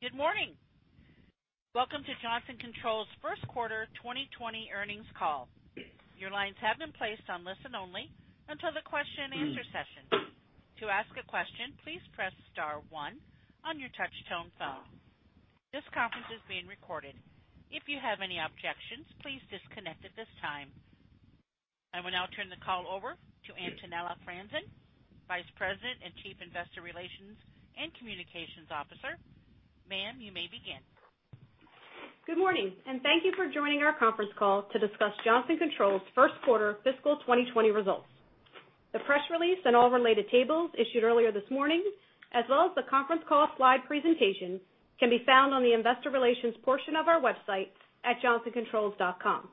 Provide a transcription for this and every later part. Good morning. Welcome to Johnson Controls' first quarter 2020 earnings call. Your lines have been placed on listen only until the question and answer session. To ask a question, please press star one on your touch-tone phone. This conference is being recorded. If you have any objections, please disconnect at this time. I will now turn the call over to Antonella Franzen, Vice President and Chief Investor Relations and Communications Officer. Ma'am, you may begin. Good morning, and thank you for joining our conference call to discuss Johnson Controls' first quarter fiscal 2020 results. The press release and all related tables issued earlier this morning, as well as the conference call slide presentation, can be found on the investor relations portion of our website at johnsoncontrols.com.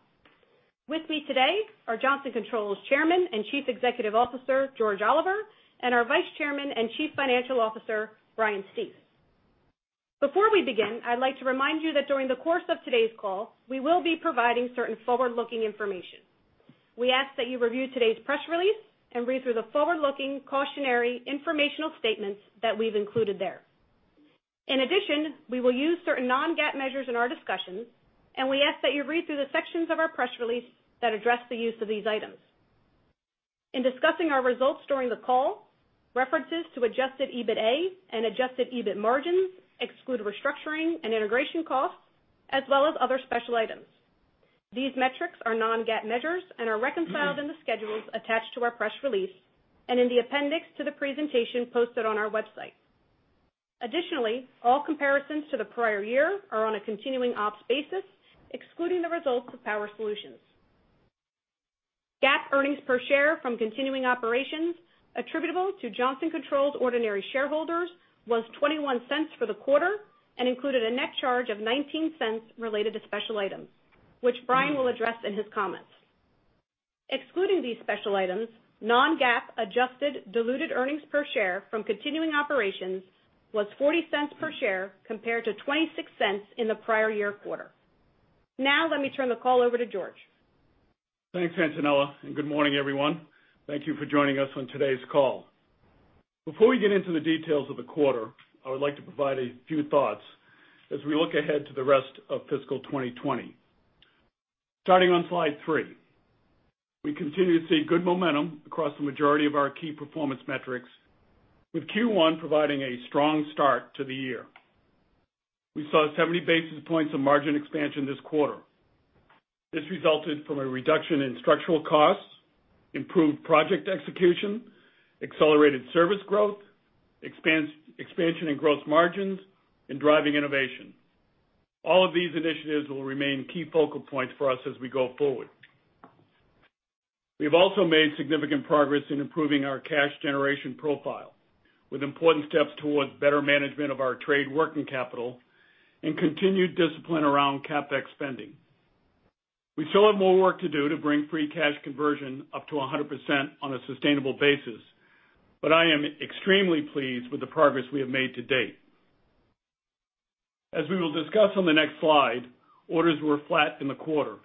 With me today are Johnson Controls Chairman and Chief Executive Officer, George Oliver, and our Vice Chairman and Chief Financial Officer, Brian Stief. Before we begin, I'd like to remind you that during the course of today's call, we will be providing certain forward-looking information. We ask that you review today's press release and read through the forward-looking cautionary informational statements that we've included there. In addition, we will use certain Non-GAAP measures in our discussions, and we ask that you read through the sections of our press release that address the use of these items. In discussing our results during the call, references to adjusted EBITA and adjusted EBIT margins exclude restructuring and integration costs, as well as other special items. These metrics are Non-GAAP measures and are reconciled in the schedules attached to our press release and in the appendix to the presentation posted on our website. Additionally, all comparisons to the prior year are on a continuing ops basis, excluding the results of Power Solutions. GAAP earnings per share from continuing operations attributable to Johnson Controls International's ordinary shareholders was $0.21 for the quarter and included a net charge of $0.19 related to special items, which Brian will address in his comments. Excluding these special items, Non-GAAP adjusted diluted earnings per share from continuing operations was $0.40 per share compared to $0.26 in the prior year quarter. Now, let me turn the call over to George. Thanks, Antonella, and good morning, everyone. Thank you for joining us on today's call. Before we get into the details of the quarter, I would like to provide a few thoughts as we look ahead to the rest of fiscal 2020. Starting on slide three. We continue to see good momentum across the majority of our key performance metrics, with Q1 providing a strong start to the year. We saw 70 basis points of margin expansion this quarter. This resulted from a reduction in structural costs, improved project execution, accelerated service growth, expansion in gross margins, and driving innovation. All of these initiatives will remain key focal points for us as we go forward. We've also made significant progress in improving our cash generation profile, with important steps towards better management of our trade working capital and continued discipline around CapEx spending. We still have more work to do to bring free cash conversion up to 100% on a sustainable basis, but I am extremely pleased with the progress we have made to date. As we will discuss on the next slide, orders were flat in the quarter.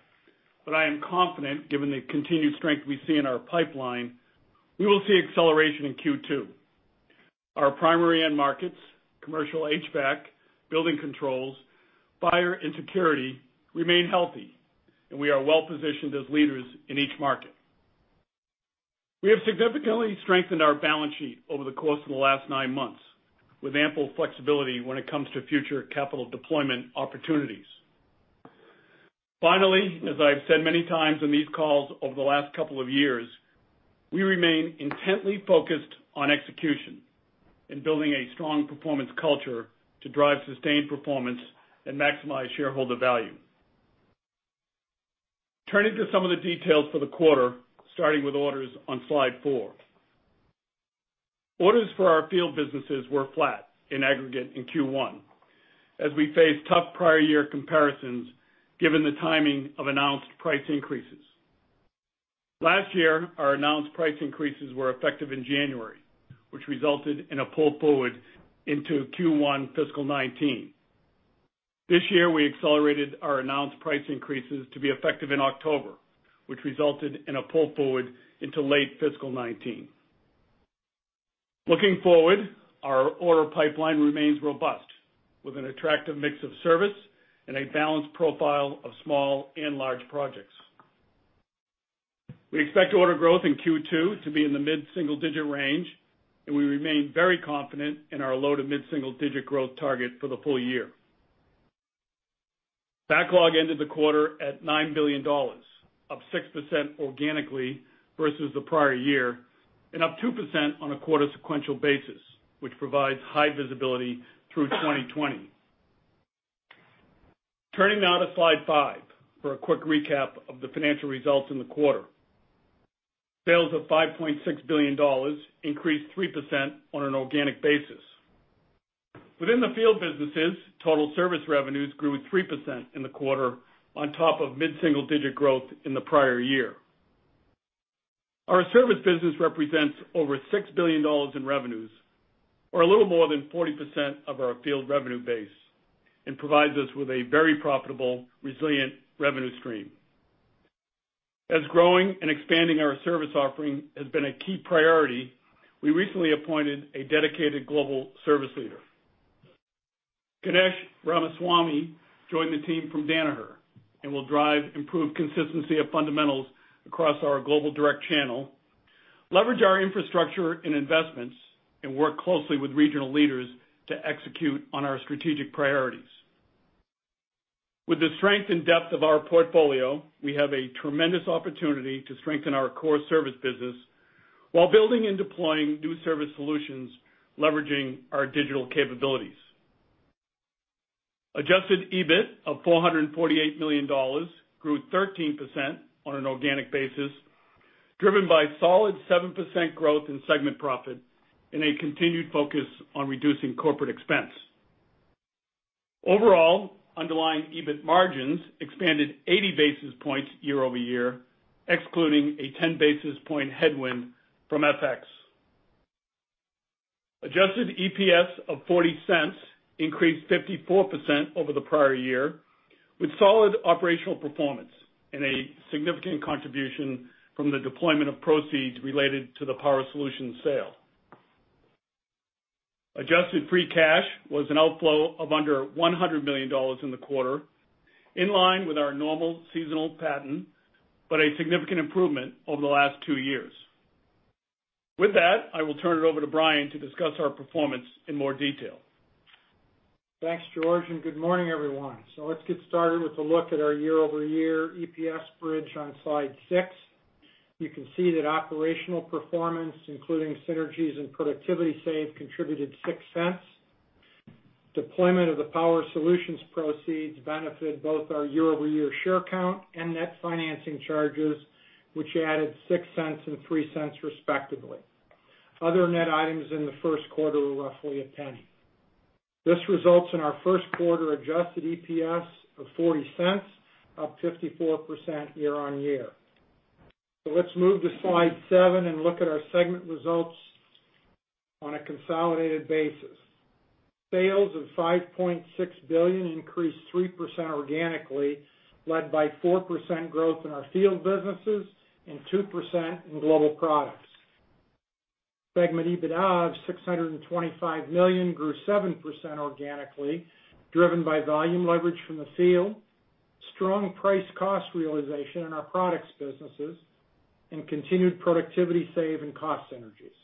I am confident, given the continued strength we see in our pipeline, we will see acceleration in Q2. Our primary end markets, commercial HVAC, building controls, fire and security, remain healthy, and we are well-positioned as leaders in each market. We have significantly strengthened our balance sheet over the course of the last nine months, with ample flexibility when it comes to future capital deployment opportunities. Finally, as I've said many times on these calls over the last couple of years, we remain intently focused on execution and building a strong performance culture to drive sustained performance and maximize shareholder value. Turning to some of the details for the quarter, starting with orders on slide four. Orders for our field businesses were flat in aggregate in Q1, as we faced tough prior year comparisons given the timing of announced price increases. Last year, our announced price increases were effective in January, which resulted in a pull forward into Q1 fiscal 2019. This year, we accelerated our announced price increases to be effective in October, which resulted in a pull forward into late fiscal 2019. Looking forward, our order pipeline remains robust, with an attractive mix of service and a balanced profile of small and large projects. We expect order growth in Q2 to be in the mid-single digit range, and we remain very confident in our low to mid-single digit growth target for the full year. Backlog ended the quarter at $9 billion, up 6% organically versus the prior year, and up 2% on a quarter-sequential basis, which provides high visibility through 2020. Turning now to slide five for a quick recap of the financial results in the quarter. Sales of $5.6 billion increased 3% on an organic basis. Within the field businesses, total service revenues grew 3% in the quarter on top of mid-single digit growth in the prior year. Our service business represents over $6 billion in revenues, or a little more than 40% of our field revenue base, and provides us with a very profitable, resilient revenue stream. As growing and expanding our service offering has been a key priority, we recently appointed a dedicated global service leader. Ganesh Ramaswamy joined the team from Danaher and will drive improved consistency of fundamentals across our global direct channel, leverage our infrastructure and investments, and work closely with regional leaders to execute on our strategic priorities. With the strength and depth of our portfolio, we have a tremendous opportunity to strengthen our core service business while building and deploying new service solutions, leveraging our digital capabilities. Adjusted EBIT of $448 million grew 13% on an organic basis, driven by solid 7% growth in segment profit and a continued focus on reducing corporate expense. Overall, underlying EBIT margins expanded 80 basis points year-over-year, excluding a 10 basis point headwind from FX. Adjusted EPS of $0.40 increased 54% over the prior year with solid operational performance and a significant contribution from the deployment of proceeds related to the Power Solutions sale. Adjusted free cash was an outflow of under $100 million in the quarter, in line with our normal seasonal pattern, but a significant improvement over the last two years. With that, I will turn it over to Brian to discuss our performance in more detail. Thanks, George. Good morning, everyone. Let's get started with a look at our year-over-year EPS bridge on slide six. You can see that operational performance, including synergies and productivity save, contributed $0.06. Deployment of the Power Solutions proceeds benefited both our year-over-year share count and net financing charges, which added $0.06 and $0.03 respectively. Other net items in the first quarter were roughly $0.01. This results in our first quarter adjusted EPS of $0.40, up 54% year-on-year. Let's move to slide seven and look at our segment results on a consolidated basis. Sales of $5.6 billion increased 3% organically, led by 4% growth in our field businesses and 2% in global products. Segment EBITDA of $625 million grew 7% organically, driven by volume leverage from the field, strong price cost realization in our products, businesses, and continued productivity saves and cost synergies.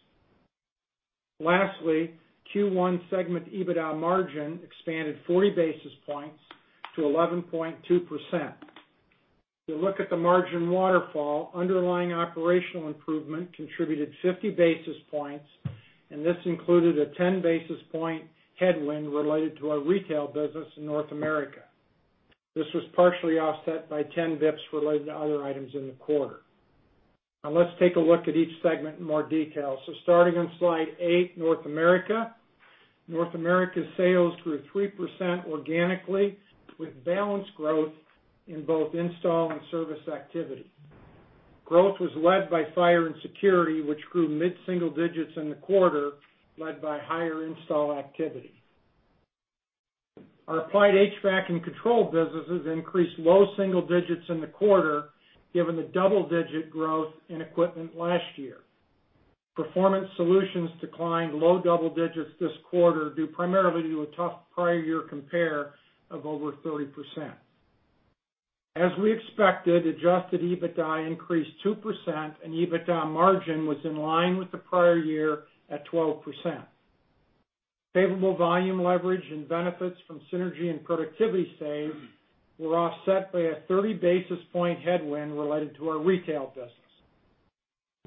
Lastly, Q1 segment EBITDA margin expanded 40 basis points to 11.2%. If you look at the margin waterfall, underlying operational improvement contributed 50 basis points. This included a 10 basis point headwind related to our retail business in North America. This was partially offset by 10 basis points related to other items in the quarter. Let's take a look at each segment in more detail. Starting on slide eight, North America. North America sales grew 3% organically with balanced growth in both install and service activity. Growth was led by fire and security, which grew mid-single digits in the quarter, led by higher install activity. Our applied HVAC and control businesses increased low double digits in the quarter, given the double-digit growth in equipment last year. Power Solutions declined low double digits this quarter, due primarily to a tough prior year compare of over 30%. As we expected, adjusted EBITDA increased 2%, and EBITDA margin was in line with the prior year at 12%. Favorable volume leverage and benefits from synergy and productivity save were offset by a 30 basis point headwind related to our retail business.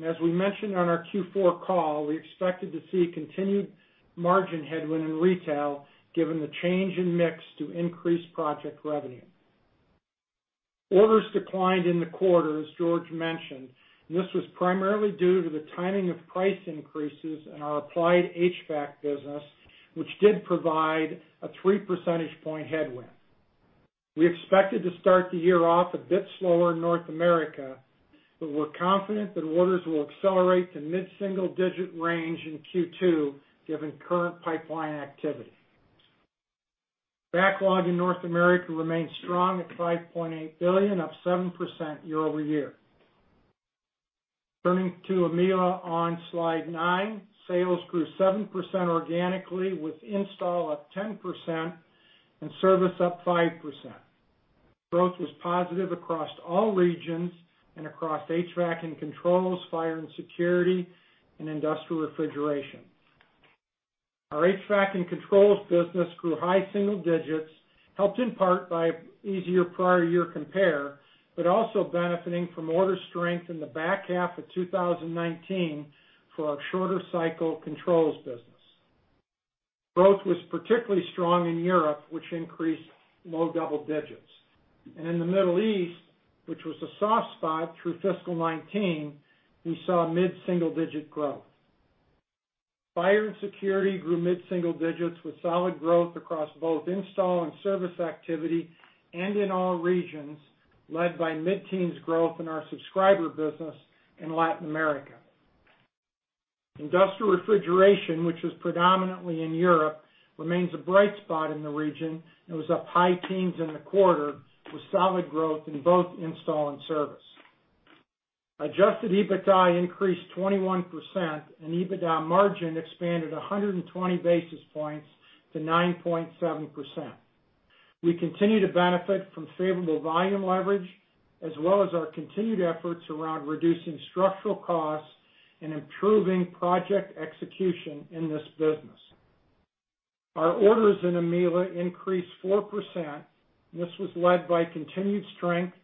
As we mentioned on our Q4 call, we expected to see continued margin headwind in retail given the change in mix to increase project revenue. Orders declined in the quarter, as George mentioned. This was primarily due to the timing of price increases in our applied HVAC business, which did provide a three percentage point headwind. We expected to start the year off a bit slower in North America, but we're confident that orders will accelerate to mid-single digit range in Q2 given current pipeline activity. Backlog in North America remains strong at $5.8 billion, up 7% year-over-year. Turning to EMEA/LA on slide nine. Sales grew 7% organically, with install up 10% and service up 5%. Growth was positive across all regions and across HVAC and controls, fire and security, and industrial refrigeration. Our HVAC and controls business grew high single digits, helped in part by easier prior year compare, but also benefiting from order strength in the back half of 2019 for our shorter cycle controls business. Growth was particularly strong in Europe, which increased low double digits. In the Middle East, which was a soft spot through fiscal 2019, we saw mid-single digit growth. Fire and security grew mid-single digits with solid growth across both install and service activity and in all regions, led by mid-teens growth in our subscriber business in Latin America. Industrial refrigeration, which is predominantly in Europe, remains a bright spot in the region, and was up high teens in the quarter, with solid growth in both install and service. Adjusted EBITDA increased 21%, EBITDA margin expanded 120 basis points to 9.7%. We continue to benefit from favorable volume leverage, as well as our continued efforts around reducing structural costs and improving project execution in this business. Our orders in EMEA/LA increased 4%, this was led by continued strength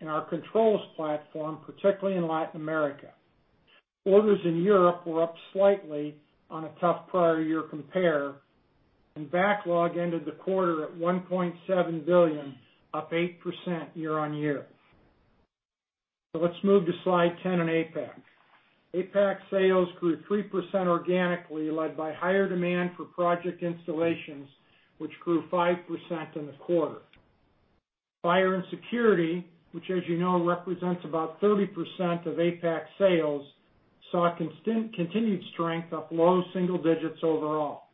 in our controls platform, particularly in Latin America. Orders in Europe were up slightly on a tough prior year compare, backlog ended the quarter at $1.7 billion, up 8% year-on-year. Let's move to slide 10 on APAC. APAC sales grew 3% organically, led by higher demand for project installations, which grew 5% in the quarter. Fire and security, which as you know, represents about 30% of APAC sales, saw a continued strength of low single digits overall.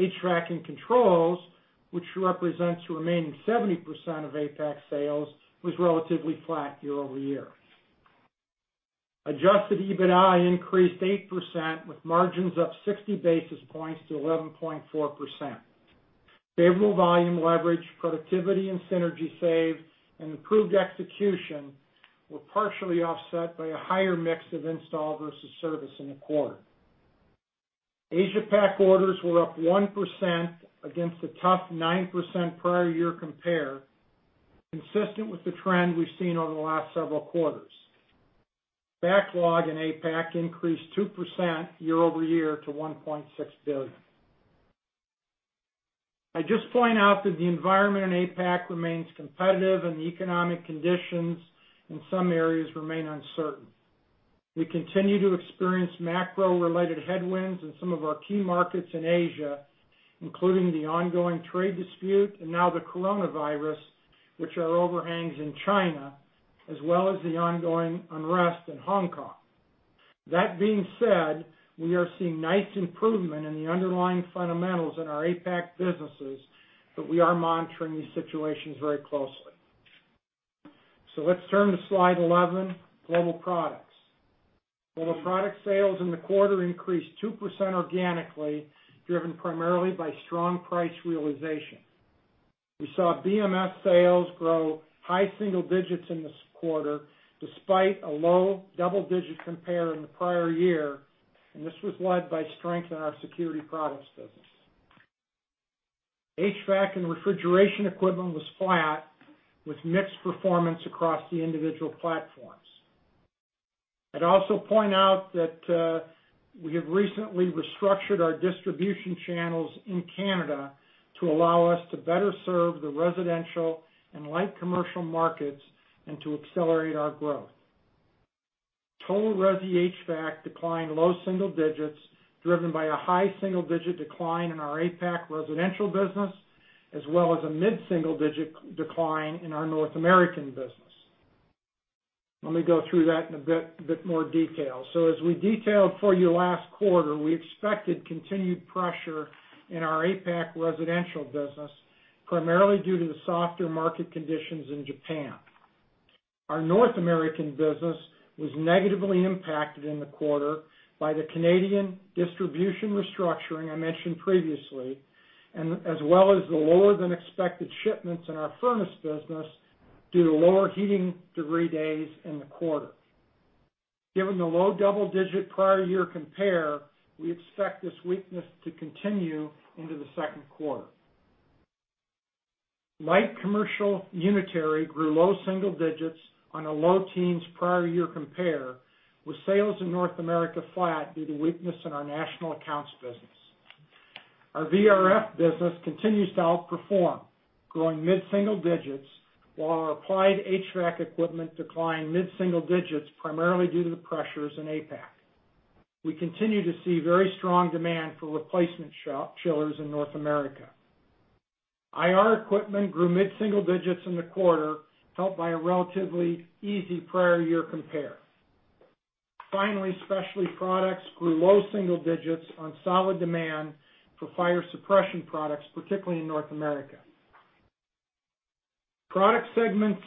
HVAC and controls, which represents the remaining 70% of APAC sales, was relatively flat year-over-year. Adjusted EBITDA increased 8%, with margins up 60 basis points to 11.4%. Favorable volume leverage, productivity and synergy saves, and improved execution were partially offset by a higher mix of install versus service in the quarter. Asia PAC orders were up 1% against a tough 9% prior year compare, consistent with the trend we've seen over the last several quarters. Backlog in APAC increased 2% year-over-year to $1.6 billion. I'd just point out that the environment in APAC remains competitive and the economic conditions in some areas remain uncertain. We continue to experience macro-related headwinds in some of our key markets in Asia, including the ongoing trade dispute and now the coronavirus, which are overhangs in China, as well as the ongoing unrest in Hong Kong. That being said, we are seeing nice improvement in the underlying fundamentals in our APAC businesses, but we are monitoring these situations very closely. Let's turn to slide 11, Global Products. Global Products sales in the quarter increased 2% organically, driven primarily by strong price realization. We saw BMS sales grow high single digits in this quarter, despite a low double-digit compare in the prior year, and this was led by strength in our security products business. HVAC and refrigeration equipment was flat, with mixed performance across the individual platforms. I'd also point out that we have recently restructured our distribution channels in Canada to allow us to better serve the residential and light commercial markets, and to accelerate our growth. Total Resi HVAC declined low single digits, driven by a high single-digit decline in our APAC residential business, as well as a mid-single digit decline in our North American business. Let me go through that in a bit more detail. As we detailed for you last quarter, we expected continued pressure in our APAC residential business, primarily due to the softer market conditions in Japan. Our North American business was negatively impacted in the quarter by the Canadian distribution restructuring I mentioned previously, as well as the lower than expected shipments in our furnace business due to lower heating degree days in the quarter. Given the low double-digit prior year compare, we expect this weakness to continue into the second quarter. Light commercial unitary grew low single digits on a low teens prior year compare, with sales in North America flat due to weakness in our national accounts business. Our VRF business continues to outperform, growing mid-single digits, while our applied HVAC equipment declined mid-single digits, primarily due to the pressures in APAC. We continue to see very strong demand for replacement chillers in North America. IR equipment grew mid-single digits in the quarter, helped by a relatively easy prior year compare. Finally, specialty products grew low single digits on solid demand for fire suppression products, particularly in North America. Product segments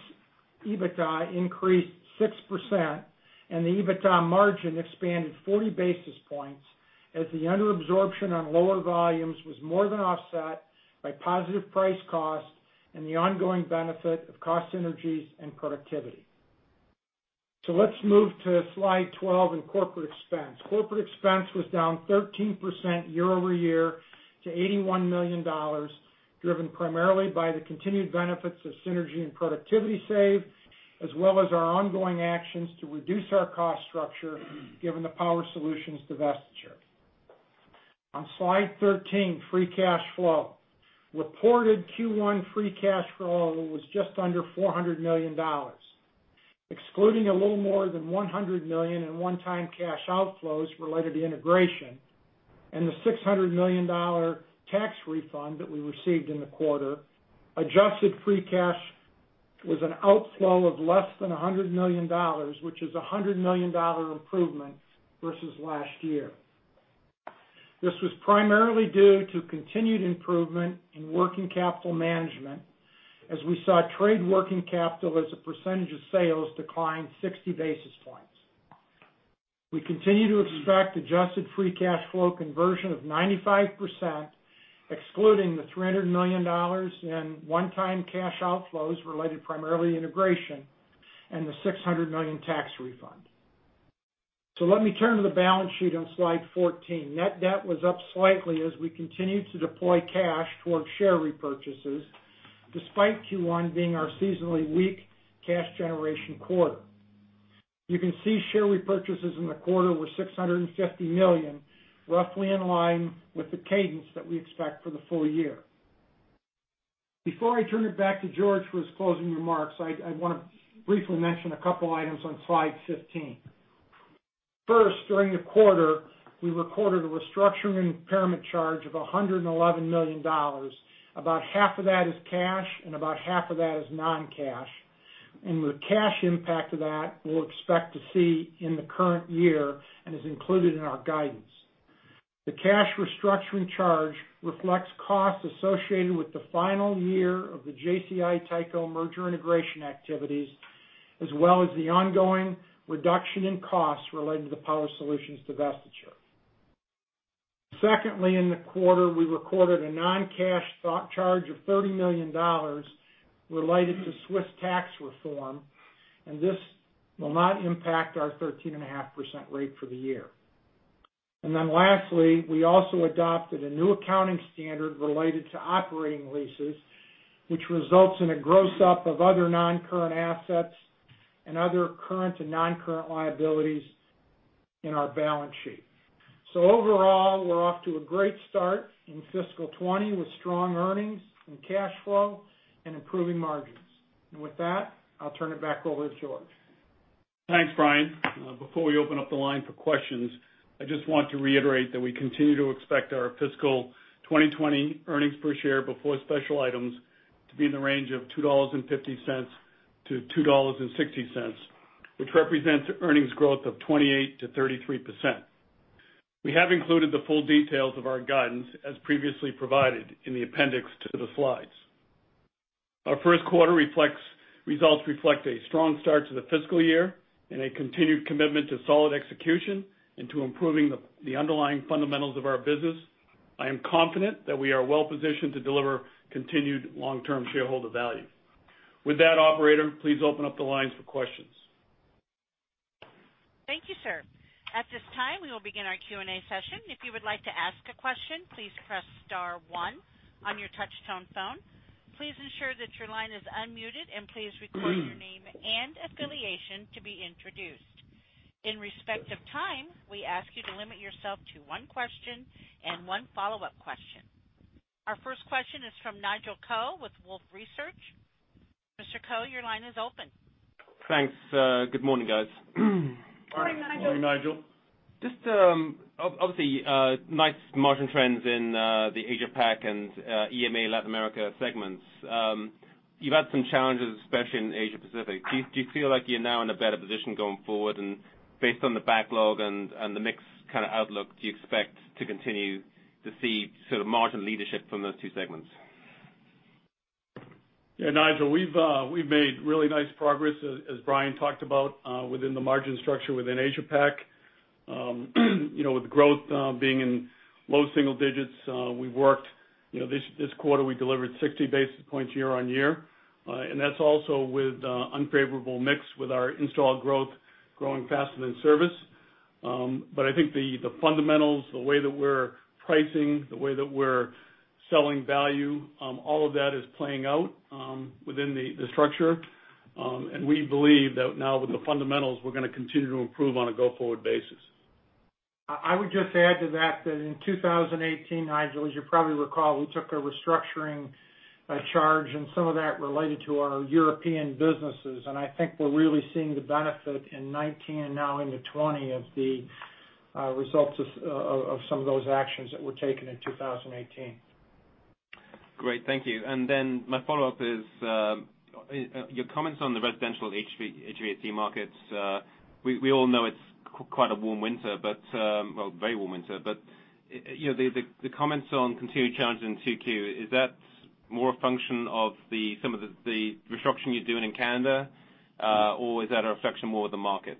EBITDA increased 6%, and the EBITDA margin expanded 40 basis points as the underabsorption on lower volumes was more than offset by positive price cost and the ongoing benefit of cost synergies and productivity. Let's move to slide 12 in corporate expense. Corporate expense was down 13% year-over-year to $81 million, driven primarily by the continued benefits of synergy and productivity saves, as well as our ongoing actions to reduce our cost structure, given the Power Solutions divestiture. On slide 13, free cash flow. Reported Q1 free cash flow was just under $400 million. Excluding a little more than $100 million in one-time cash outflows related to integration and the $600 million tax refund that we received in the quarter, adjusted free cash was an outflow of less than $100 million, which is $100 million improvement versus last year. This was primarily due to continued improvement in working capital management, as we saw trade working capital as a percentage of sales decline 60 basis points. We continue to expect adjusted free cash flow conversion of 95%, excluding the $300 million in one-time cash outflows related primarily to integration, and the $600 million tax refund. Let me turn to the balance sheet on slide 14. Net debt was up slightly as we continued to deploy cash towards share repurchases, despite Q1 being our seasonally weak cash generation quarter. You can see share repurchases in the quarter were $650 million, roughly in line with the cadence that we expect for the full year. Before I turn it back to George for his closing remarks, I want to briefly mention a couple items on slide 15. First, during the quarter, we recorded a restructuring impairment charge of $111 million. About half of that is cash and about half of that is non-cash. The cash impact of that we'll expect to see in the current year and is included in our guidance. The cash restructuring charge reflects costs associated with the final year of the JCI-Tyco merger integration activities, as well as the ongoing reduction in costs related to the Power Solutions divestiture. Secondly, in the quarter, we recorded a non-cash charge of $30 million related to Swiss tax reform, and this will not impact our 13.5% rate for the year. Lastly, we also adopted a new accounting standard related to operating leases, which results in a gross up of other non-current assets and other current and non-current liabilities in our balance sheet. Overall, we're off to a great start in fiscal 2020 with strong earnings and cash flow and improving margins. With that, I'll turn it back over to George. Thanks, Brian. Before we open up the line for questions, I just want to reiterate that we continue to expect our fiscal 2020 earnings per share before special items to be in the range of $2.50-$2.60, which represents earnings growth of 28%-33%. We have included the full details of our guidance as previously provided in the appendix to the slides. Our first quarter results reflect a strong start to the fiscal year and a continued commitment to solid execution and to improving the underlying fundamentals of our business. I am confident that we are well-positioned to deliver continued long-term shareholder value. With that, operator, please open up the lines for questions. Thank you, sir. At this time, we will begin our Q&A session. If you would like to ask a question, please press star 1 on your touch-tone phone. Please ensure that your line is unmuted, and please record your name and affiliation to be introduced. In respect of time, we ask you to limit yourself to one question and one follow-up question. Our first question is from Nigel Coe with Wolfe Research. Mr. Coe, your line is open. Thanks. Good morning, guys. Morning, Nigel. Morning, Nigel. Just, obviously, nice margin trends in the Asia Pac and EMEA Latin America segments. You've had some challenges, especially in Asia Pacific. Do you feel like you're now in a better position going forward? Based on the backlog and the mix kind of outlook, do you expect to continue to see sort of margin leadership from those two segments? Yeah, Nigel, we've made really nice progress as Brian talked about within the margin structure within Asia Pac. With growth being in low single digits, this quarter we delivered 60 basis points year-on-year. That's also with unfavorable mix with our installed growth growing faster than service. I think the fundamentals, the way that we're pricing, the way that we're selling value, all of that is playing out within the structure. We believe that now with the fundamentals, we're going to continue to improve on a go-forward basis. I would just add to that in 2018, Nigel, as you probably recall, we took a restructuring charge, and some of that related to our European businesses. I think we're really seeing the benefit in 2019 and now into 2020 of the results of some of those actions that were taken in 2018. Great, thank you. My follow-up is, your comments on the residential HVAC markets. We all know it's quite a warm winter, well, very warm winter. The comments on continued challenges in 2Q, is that more a function of some of the restructuring you're doing in Canada? Or is that a reflection more of the market?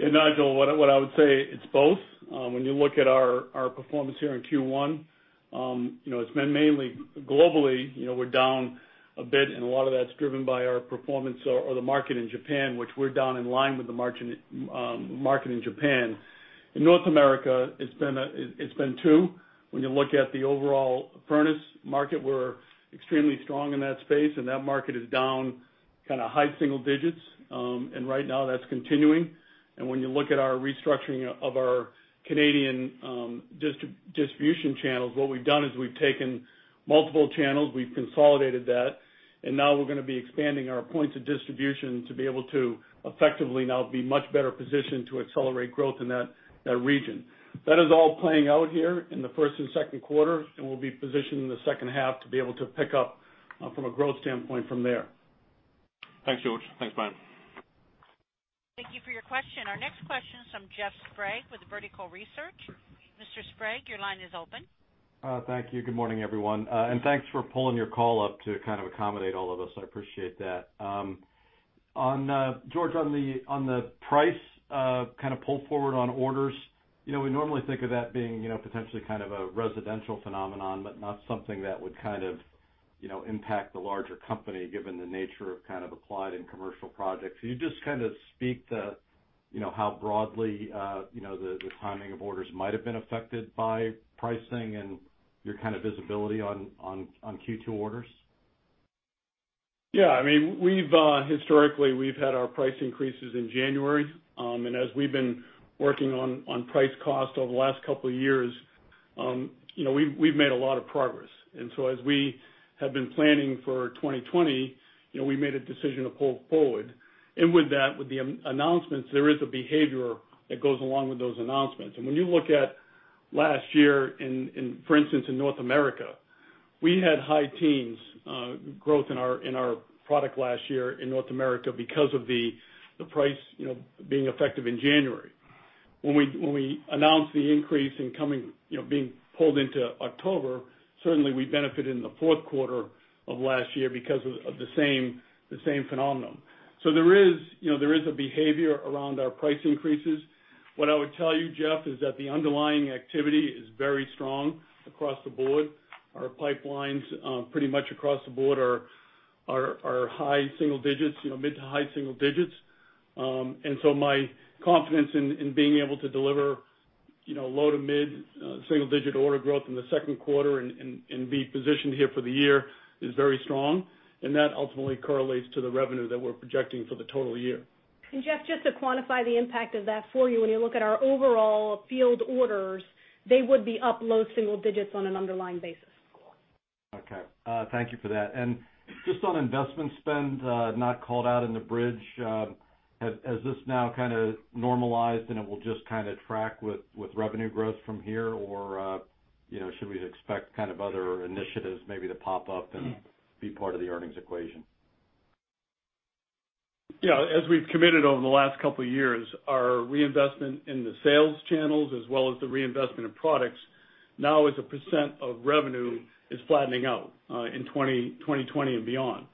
Yeah, Nigel, what I would say, it's both. When you look at our performance here in Q1, it's been mainly globally we're down a bit, and a lot of that's driven by our performance or the market in Japan, which we're down in line with the market in Japan. In North America, it's been two. When you look at the overall furnace market, we're extremely strong in that space, and that market is down kind of high single digits. Right now, that's continuing. When you look at our restructuring of our Canadian distribution channels, what we've done is we've taken multiple channels, we've consolidated that, and now we're going to be expanding our points of distribution to be able to effectively now be much better positioned to accelerate growth in that region. That is all playing out here in the first and second quarters, and we'll be positioned in the second half to be able to pick up from a growth standpoint from there. Thanks, George. Thanks, Brian. Thank you for your question. Our next question is from Jeff Sprague with Vertical Research. Mr. Sprague, your line is open. Thank you. Good morning, everyone. Thanks for pulling your call up to accommodate all of us. I appreciate that. George, on the price pull forward on orders, we normally think of that being potentially a residential phenomenon, but not something that would impact the larger company, given the nature of applied and commercial projects. Can you just speak to how broadly the timing of orders might have been affected by pricing and your visibility on Q2 orders? Yeah. Historically, we've had our price increases in January. As we've been working on price cost over the last couple of years, we've made a lot of progress. As we have been planning for 2020, we made a decision to pull forward. With that, with the announcements, there is a behavior that goes along with those announcements. When you look at last year, for instance, in North America, we had high teens growth in our product last year in North America because of the price being effective in January. When we announced the increase being pulled into October, certainly we benefited in the fourth quarter of last year because of the same phenomenon. There is a behavior around our price increases. What I would tell you, Jeff, is that the underlying activity is very strong across the board. Our pipelines pretty much across the board are high single digits, mid to high single digits. My confidence in being able to deliver low to mid-single digit order growth in the second quarter and be positioned here for the year is very strong, and that ultimately correlates to the revenue that we're projecting for the total year. Jeff, just to quantify the impact of that for you, when you look at our overall field orders, they would be up low single digits on an underlying basis. Okay. Thank you for that. Just on investment spend, not called out in the bridge, has this now kind of normalized and it will just kind of track with revenue growth from here or should we expect kind of other initiatives maybe to pop up and be part of the earnings equation? Yeah. As we've committed over the last couple of years, our reinvestment in the sales channels as well as the reinvestment of products now as a percent of revenue is flattening out in 2020 and beyond.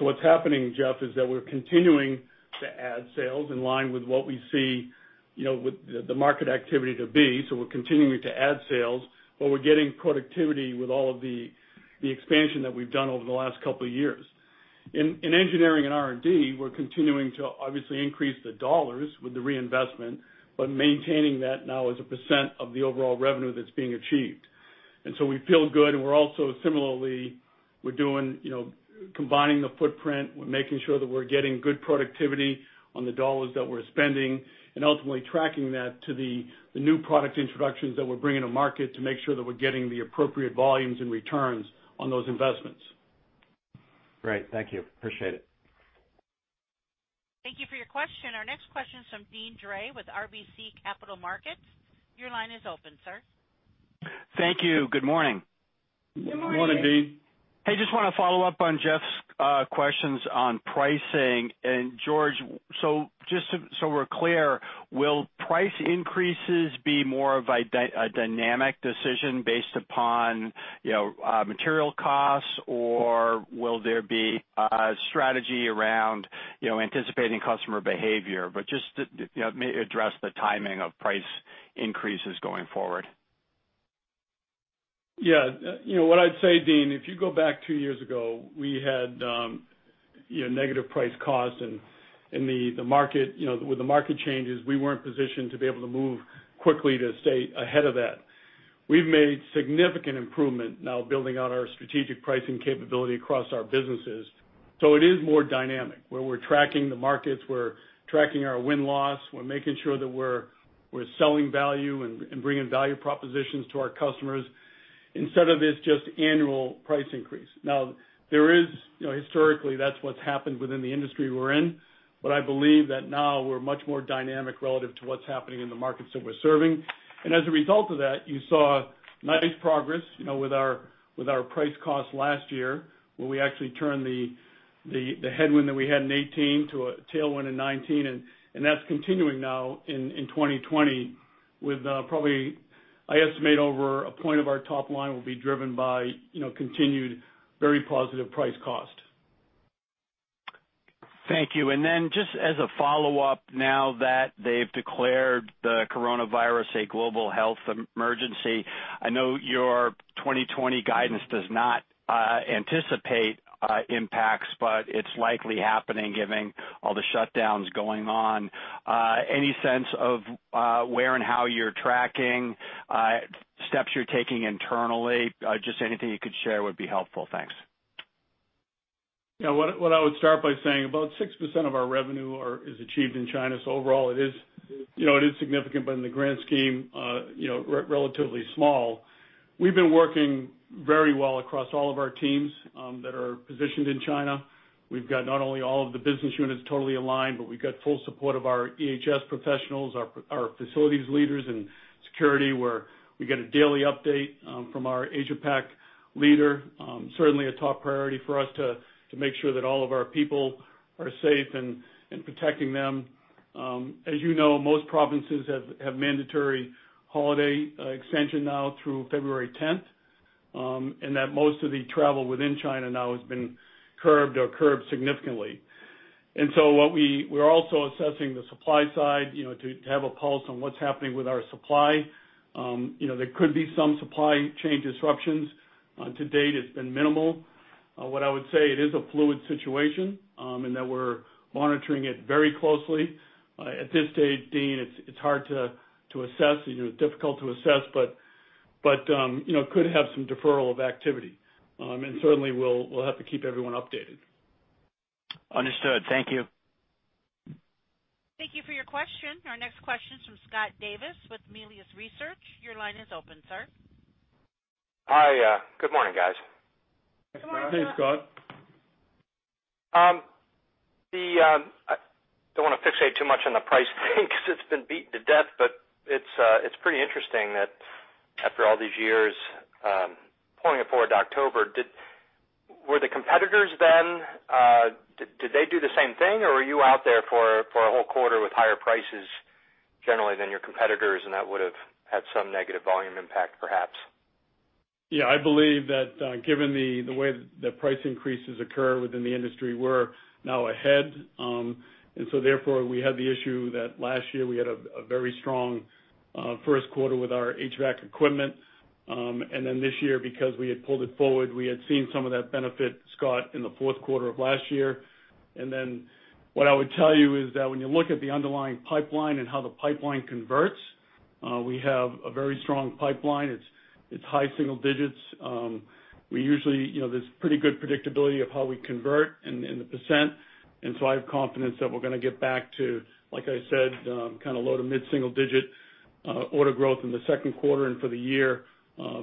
What's happening, Jeff, is that we're continuing to add sales in line with what we see the market activity to be. We're continuing to add sales, but we're getting productivity with all of the expansion that we've done over the last couple of years. In engineering and R&D, we're continuing to obviously increase the dollars with the reinvestment, but maintaining that now as a percent of the overall revenue that's being achieved. We feel good, and we're also similarly combining the footprint. We're making sure that we're getting good productivity on the dollars that we're spending, and ultimately tracking that to the new product introductions that we're bringing to market to make sure that we're getting the appropriate volumes and returns on those investments. Great. Thank you. Appreciate it. Thank you for your question. Our next question is from Deane Dray with RBC Capital Markets. Your line is open, sir. Thank you. Good morning. Good morning, Deane. Good morning. Hey, just want to follow up on Jeff's questions on pricing. George, just so we're clear, will price increases be more of a dynamic decision based upon material costs, or will there be a strategy around anticipating customer behavior? Just maybe address the timing of price increases going forward. Yeah. What I'd say, Deane, if you go back two years ago, we had negative price cost, with the market changes, we weren't positioned to be able to move quickly to stay ahead of that. We've made significant improvement now building out our strategic pricing capability across our businesses. It is more dynamic, where we're tracking the markets, we're tracking our win-loss, we're making sure that we're selling value and bringing value propositions to our customers instead of it's just annual price increase. Now, historically, that's what's happened within the industry we're in. I believe that now we're much more dynamic relative to what's happening in the markets that we're serving. As a result of that, you saw nice progress with our price cost last year, where we actually turned the headwind that we had in 2018 to a tailwind in 2019, and that's continuing now in 2020 with probably, I estimate over a point of our top line will be driven by continued very positive price cost. Thank you. Then just as a follow-up, now that they've declared the coronavirus a global health emergency, I know your 2020 guidance does not anticipate impacts, but it's likely happening given all the shutdowns going on. Any sense of where and how you're tracking, steps you're taking internally. Just anything you could share would be helpful. Thanks. What I would start by saying, about 6% of our revenue is achieved in China. Overall, it is significant, but in the grand scheme, relatively small. We've been working very well across all of our teams that are positioned in China. We've got not only all of the business units totally aligned, but we've got full support of our EHS professionals, our facilities leaders, and security, where we get a daily update from our Asia Pac leader. Certainly a top priority for us to make sure that all of our people are safe and protecting them. As you know, most provinces have mandatory holiday extension now through February 10th, and that most of the travel within China now has been curbed or curbed significantly. We're also assessing the supply side to have a pulse on what's happening with our supply. There could be some supply chain disruptions. To date, it's been minimal. What I would say, it is a fluid situation, and that we're monitoring it very closely. At this stage, Deane, it's hard to assess. It's difficult to assess, but could have some deferral of activity. Certainly, we'll have to keep everyone updated. Understood. Thank you. Thank you for your question. Our next question is from Scott Davis with Melius Research. Your line is open, sir. Hi. Good morning, guys. Thanks, Scott. Good morning. I don't want to fixate too much on the price thing because it's been beaten to death, but it's pretty interesting that after all these years, pulling it forward to October, were the competitors then, did they do the same thing, or were you out there for a whole quarter with higher prices generally than your competitors, and that would have had some negative volume impact, perhaps? Yeah. I believe that, given the way that price increases occur within the industry, we're now ahead. Therefore, we had the issue that last year we had a very strong first quarter with our HVAC equipment. This year, because we had pulled it forward, we had seen some of that benefit, Scott, in the fourth quarter of last year. What I would tell you is that when you look at the underlying pipeline and how the pipeline converts, we have a very strong pipeline. It's high single digits. There's pretty good predictability of how we convert in the percent, I have confidence that we're going to get back to, like I said, kind of low to mid-single digit order growth in the second quarter and for the year.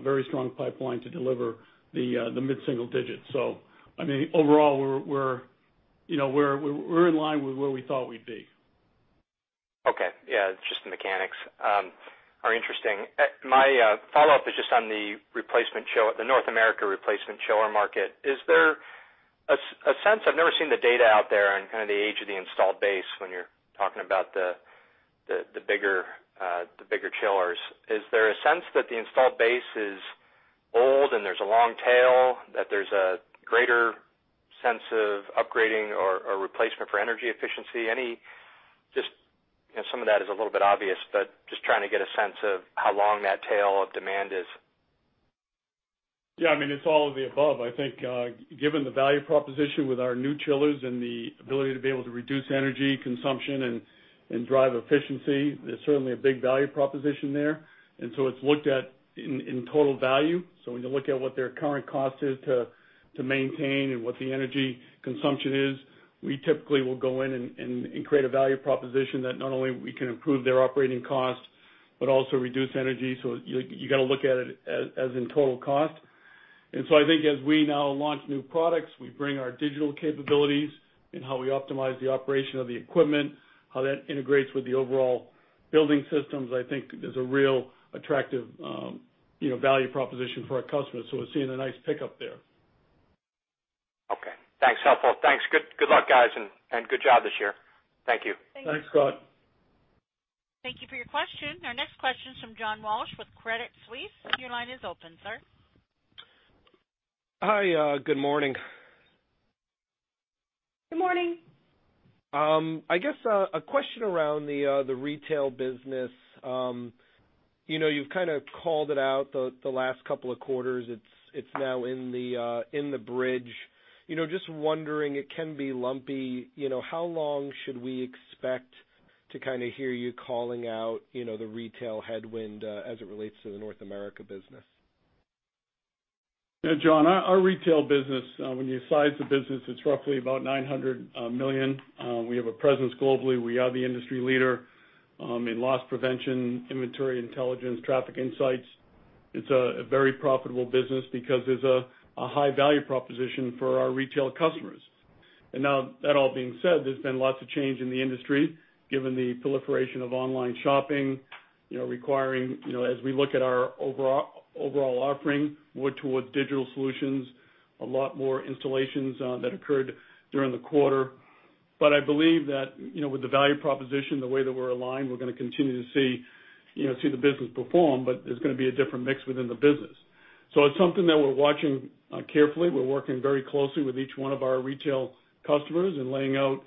Very strong pipeline to deliver the mid-single digits. I mean, overall, we're in line with where we thought we'd be. Just the mechanics are interesting. My follow-up is just on the North America replacement chiller market. I've never seen the data out there on kind of the age of the installed base when you're talking about the bigger chillers. Is there a sense that the installed base is old and there's a long tail, that there's a greater sense of upgrading or replacement for energy efficiency? Some of that is a little obvious, but just trying to get a sense of how long that tail of demand is. Yeah. It's all of the above. I think, given the value proposition with our new chillers and the ability to be able to reduce energy consumption and drive efficiency, there's certainly a big value proposition there. It's looked at in total value. When you look at what their current cost is to maintain and what the energy consumption is, we typically will go in and create a value proposition that not only we can improve their operating cost but also reduce energy. You got to look at it as in total cost. I think as we now launch new products, we bring our digital capabilities in how we optimize the operation of the equipment, how that integrates with the overall building systems, I think there's a real attractive value proposition for our customers. We're seeing a nice pickup there. Okay. Thanks. Helpful. Thanks. Good luck, guys, and good job this year. Thank you. Thanks, Scott. Thank you for your question. Our next question is from John Walsh with Credit Suisse. Your line is open, sir. Hi. Good morning. Good morning. I guess a question around the retail business. You've kind of called it out the last couple of quarters. It's now in the bridge. Just wondering, it can be lumpy. How long should we expect to kind of hear you calling out the retail headwind as it relates to the North America business? Yeah, John, our retail business, when you size the business, it's roughly about $900 million. We have a presence globally. We are the industry leader in loss prevention, inventory intelligence, traffic insights. It's a very profitable business because there's a high value proposition for our retail customers. Now that all being said, there's been lots of change in the industry given the proliferation of online shopping, requiring as we look at our overall offering more towards digital solutions, a lot more installations that occurred during the quarter. I believe that with the value proposition, the way that we're aligned, we're going to continue to see the business perform, but there's going to be a different mix within the business. It's something that we're watching carefully. We're working very closely with each one of our retail customers and laying out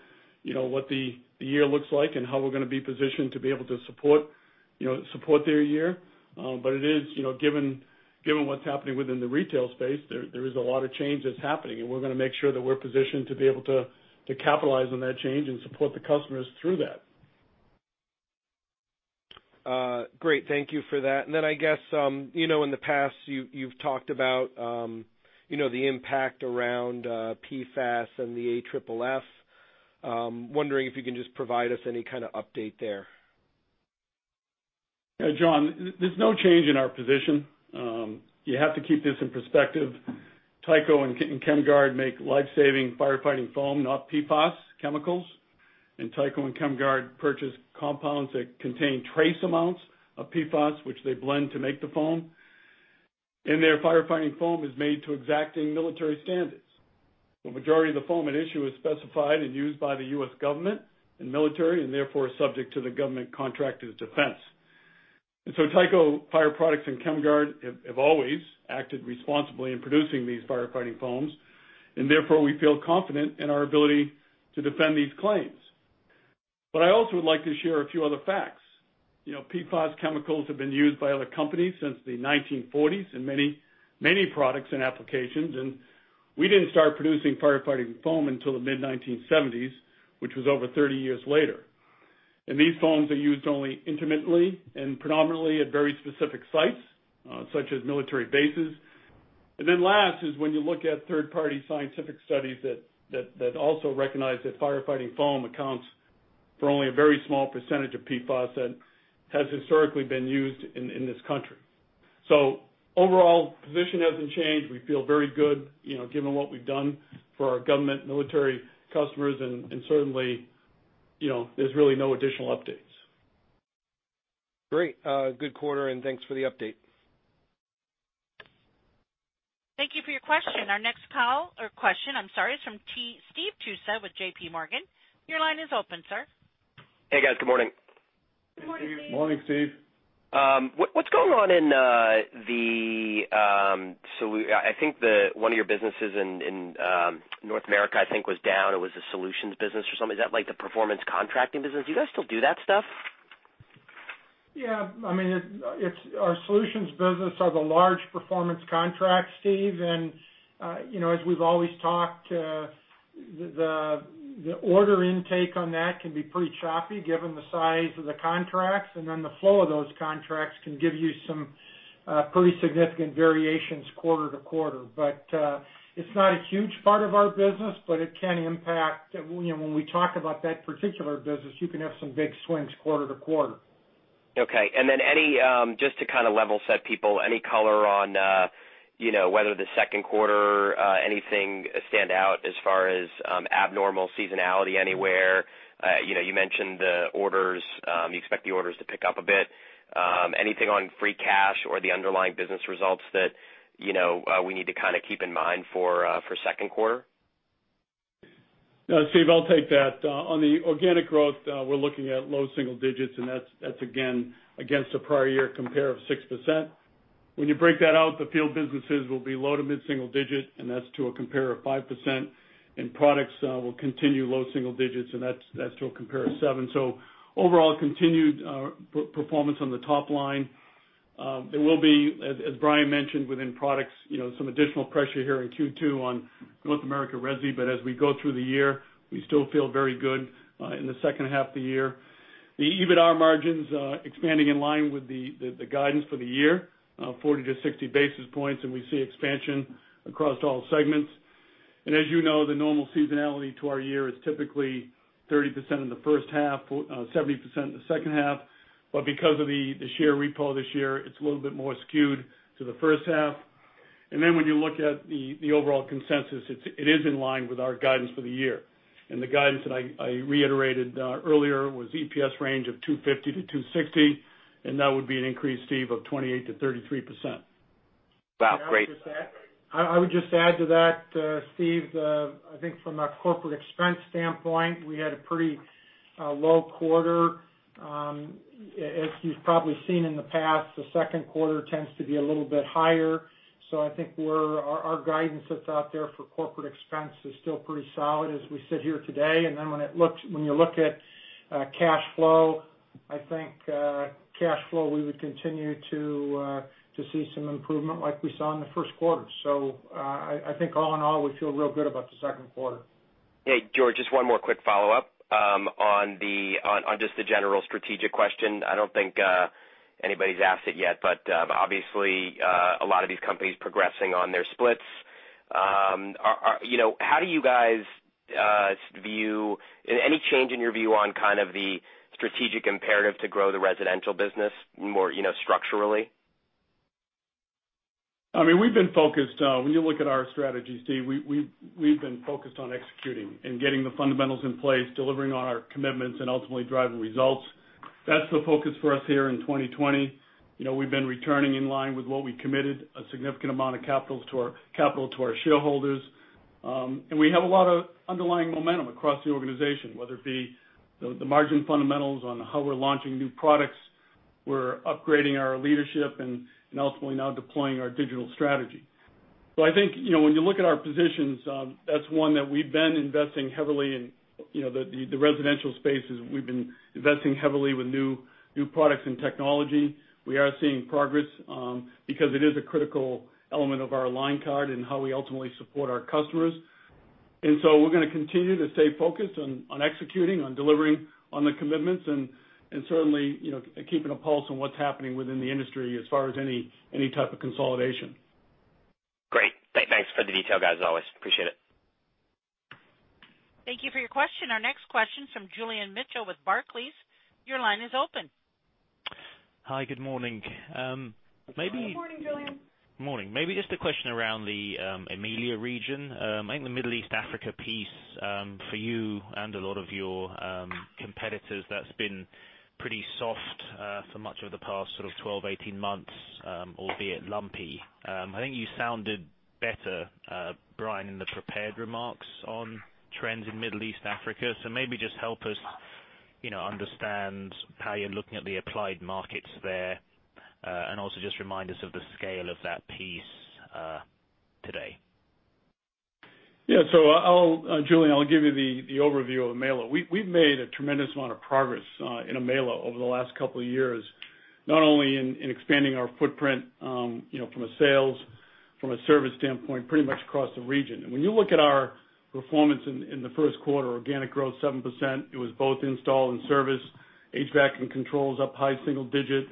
what the year looks like and how we're going to be positioned to be able to support their year. Given what's happening within the retail space, there is a lot of change that's happening, and we're going to make sure that we're positioned to be able to capitalize on that change and support the customers through that. Great. Thank you for that. I guess, in the past you've talked about the impact around PFAS and the AFFF. I'm wondering if you can just provide us any kind of update there. Yeah, John, there's no change in our position. You have to keep this in perspective. Tyco and Chemguard make life-saving firefighting foam, not PFAS chemicals. Tyco and Chemguard purchase compounds that contain trace amounts of PFAS, which they blend to make the foam. Their firefighting foam is made to exacting military standards. The majority of the foam at issue is specified and used by the U.S. government and military, and therefore, subject to the government contractor's defense. Tyco Fire Products and Chemguard have always acted responsibly in producing these firefighting foams, and therefore, we feel confident in our ability to defend these claims. I also would like to share a few other facts. PFAS chemicals have been used by other companies since the 1940s in many products and applications, and we didn't start producing firefighting foam until the mid-1970s, which was over 30 years later. These foams are used only intermittently and predominantly at very specific sites, such as military bases. Last is when you look at third-party scientific studies that also recognize that firefighting foam accounts for only a very small percentage of PFAS that has historically been used in this country. Overall, position hasn't changed. We feel very good, given what we've done for our government military customers, and certainly, there's really no additional updates. Great. Good quarter, and thanks for the update. Thank you for your question. Our next call or question, I'm sorry, is from Steve Tusa with JPMorgan. Your line is open, sir. Hey, guys. Good morning. Good morning, Steve. Morning, Steve. What's going on? I think one of your businesses in North America, I think was down. It was the solutions business or something. Is that like the performance contracting business? Do you guys still do that stuff? Yeah. Our solutions business are the large performance contracts, Steve, as we've always talked, the order intake on that can be pretty choppy given the size of the contracts. The flow of those contracts can give you some pretty significant variations quarter to quarter. It's not a huge part of our business, but it can impact. When we talk about that particular business, you can have some big swings quarter to quarter. Just to kind of level set people, any color on whether the second quarter, anything stand out as far as abnormal seasonality anywhere? You mentioned the orders. You expect the orders to pick up a bit. Anything on free cash or the underlying business results that we need to kind of keep in mind for second quarter? Steve, I'll take that. On the organic growth, we're looking at low single digits, and that's again, against a prior year compare of 6%. You break that out, the field businesses will be low to mid single digit, and that's to a compare of 5%. Products will continue low single digits, and that's to a compare of seven. Overall, continued performance on the top line. There will be, as Brian mentioned, within products, some additional pressure here in Q2 on North America Resi, as we go through the year, we still feel very good in the second half of the year. The EBITA margins expanding in line with the guidance for the year, 40 basis points-60 basis points. We see expansion across all segments. As you know, the normal seasonality to our year is typically 30% in the first half, 70% in the second half. Because of the share repo this year, it's a little bit more skewed to the first half. When you look at the overall consensus, it is in line with our guidance for the year. The guidance that I reiterated earlier was EPS range of $2.50-$260, and that would be an increase, Steve, of 28%-33%. Wow, great. I would just add to that, Steve, I think from a corporate expense standpoint, we had a pretty low quarter. As you've probably seen in the past, the second quarter tends to be a little bit higher. I think our guidance that's out there for corporate expense is still pretty solid as we sit here today. When you look at cash flow, I think cash flow, we would continue to see some improvement like we saw in the first quarter. I think all in all, we feel real good about the second quarter. Hey, George, just one more quick follow-up on just the general strategic question. I don't think anybody's asked it yet, but obviously, a lot of these companies progressing on their splits. Any change in your view on kind of the strategic imperative to grow the residential business more structurally? When you look at our strategy, Steve, we've been focused on executing and getting the fundamentals in place, delivering on our commitments, and ultimately driving results. That's the focus for us here in 2020. We've been returning in line with what we committed a significant amount of capital to our shareholders. We have a lot of underlying momentum across the organization, whether it be the margin fundamentals on how we're launching new products. We're upgrading our leadership and ultimately now deploying our digital strategy. I think when you look at our positions, that's one that we've been investing heavily in. The residential space is we've been investing heavily with new products and technology. We are seeing progress because it is a critical element of our line card and how we ultimately support our customers. We're going to continue to stay focused on executing, on delivering on the commitments and certainly, keeping a pulse on what's happening within the industry as far as any type of consolidation. Great. Thanks for the detail, guys, as always. Appreciate it. Thank you for your question. Our next question from Julian Mitchell with Barclays. Your line is open. Hi, good morning. Good morning, Julian. Morning. Maybe just a question around the EMEA/LA region. I think the Middle East, Africa piece, for you and a lot of your competitors, that's been pretty soft for much of the past 12, 18 months, albeit lumpy. I think you sounded better, Brian, in the prepared remarks on trends in Middle East, Africa. Maybe just help us understand how you're looking at the applied markets there. Also just remind us of the scale of that piece, today. Julian, I'll give you the overview of EMEA/LA. We've made a tremendous amount of progress in EMEA/LA over the last couple of years, not only in expanding our footprint from a sales, from a service standpoint, pretty much across the region. When you look at our performance in the first quarter, organic growth 7%, it was both install and service, HVAC and controls up high single-digit,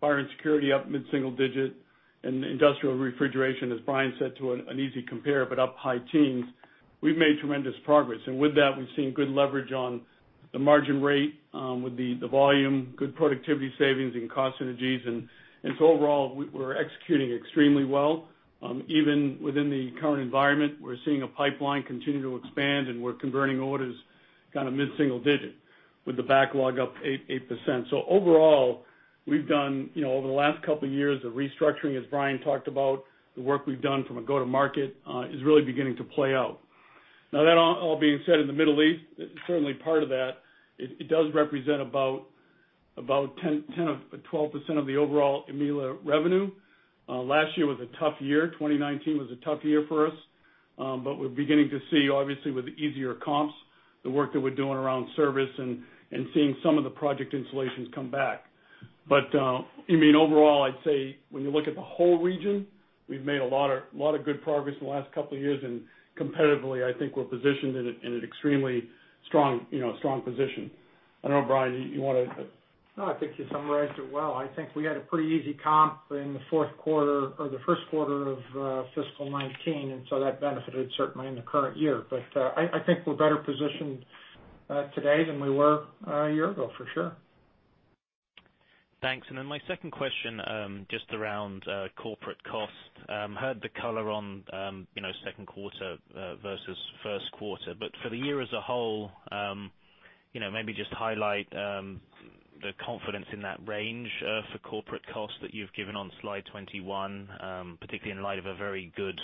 fire and security up mid-single-digit, and industrial refrigeration, as Brian said, to an easy compare, but up high teens. We've made tremendous progress. With that, we've seen good leverage on the margin rate, with the volume, good productivity savings and cost synergies. Overall, we're executing extremely well. Even within the current environment, we're seeing a pipeline continue to expand, and we're converting orders mid-single-digit with the backlog up 8%. Overall, we've done over the last couple of years of restructuring, as Brian talked about, the work we've done from a go-to market, is really beginning to play out. That all being said in the Middle East, certainly part of that, it does represent about 10% or 12% of the overall EMEA/LA revenue. Last year was a tough year. 2019 was a tough year for us. We're beginning to see, obviously with the easier comps, the work that we're doing around service and seeing some of the project installations come back. Overall, I'd say when you look at the whole region, we've made a lot of good progress in the last couple of years, and competitively, I think we're positioned in an extremely strong position. I don't know, Brian, you want to. No, I think you summarized it well. I think we had a pretty easy comp in the fourth quarter or the first quarter of fiscal 2019, and so that benefited certainly in the current year. I think we're better positioned today than we were a year ago, for sure. Thanks. Then my second question, just around corporate cost. Heard the color on second quarter versus first quarter, for the year as a whole, maybe just highlight the confidence in that range for corporate cost that you've given on slide 21, particularly in light of a very good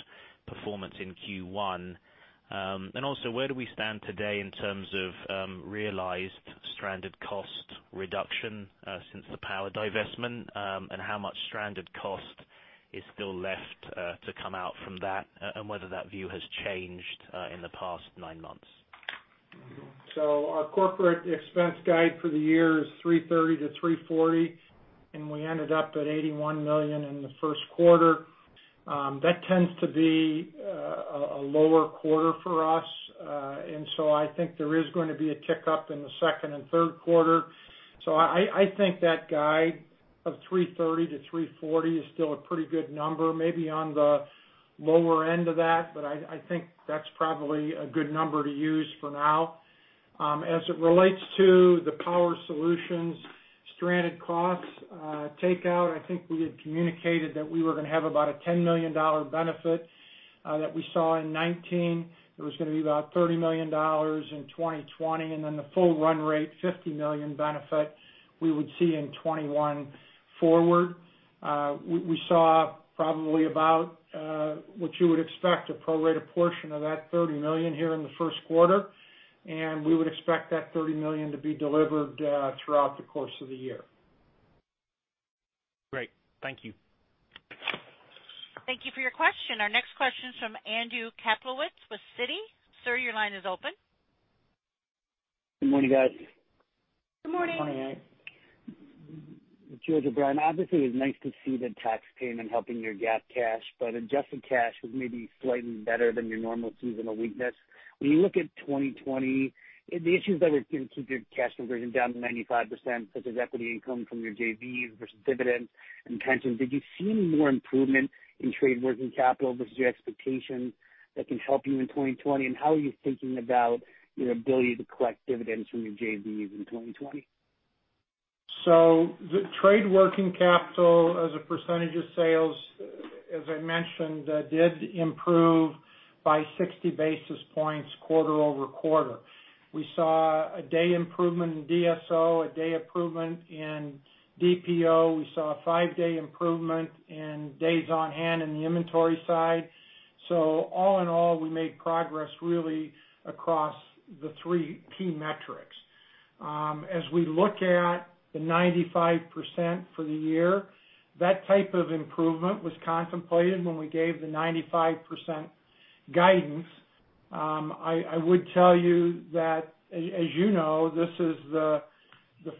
performance in Q1. Also, where do we stand today in terms of realized stranded cost reduction since the power divestment? How much stranded cost is still left to come out from that, and whether that view has changed in the past nine months? Our corporate expense guide for the year is $330 million-$340 million, and we ended up at $81 million in the first quarter. That tends to be a lower quarter for us. I think there is going to be a tick up in the second and third quarter. I think that guide of $330 million-$340 million is still a pretty good number, maybe on the lower end of that, but I think that's probably a good number to use for now. The Power Solutions stranded costs takeout, I think we had communicated that we were going to have about a $10 million benefit, that we saw in 2019. It was going to be about $30 million in 2020, and then the full run rate, $50 million benefit we would see in 2021 forward. We saw probably about, what you would expect, a pro-rata portion of that $30 million here in the first quarter, and we would expect that $30 million to be delivered throughout the course of the year. Great. Thank you. Thank you for your question. Our next question is from Andrew Kaplowitz with Citi. Sir, your line is open. Good morning, guys. Good morning. Good morning, Andrew. George or Brian, obviously, it was nice to see the tax payment helping your GAAP cash, but adjusted cash was maybe slightly better than your normal seasonal weakness. When you look at 2020, the issues that are going to keep your cash conversion down to 95%, such as equity income from your JVs versus dividends and pensions, did you see more improvement in trade working capital versus your expectation that can help you in 2020? How are you thinking about your ability to collect dividends from your JVs in 2020? The trade working capital as a percentage of sales, as I mentioned, did improve by 60 basis points quarter-over-quarter. We saw a day improvement in DSO, a day improvement in DPO. We saw a 5-day improvement in days on hand in the inventory side. All in all, we made progress really across the three key metrics. As we look at the 95% for the year, that type of improvement was contemplated when we gave the 95% guidance. I would tell you that, as you know, this is the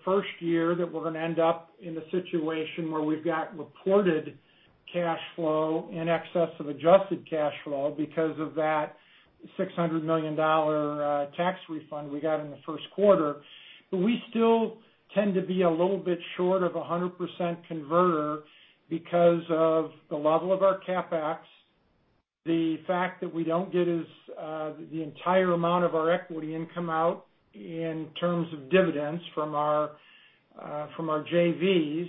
first year that we're going to end up in a situation where we've got reported cash flow in excess of adjusted cash flow because of that $600 million tax refund we got in the first quarter. We still tend to be a little bit short of 100% converter because of the level of our CapEx, the fact that we don't get the entire amount of our equity income out in terms of dividends from our JVs,